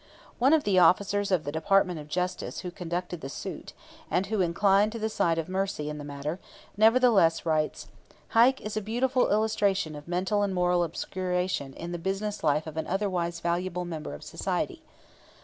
One of the officers of the Department of Justice who conducted the suit, and who inclined to the side of mercy in the matter, nevertheless writes: "Heike is a beautiful illustration of mental and moral obscuration in the business life of an otherwise valuable member of society.